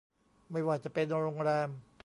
ไม่ว่าจะเป็นโรงแรม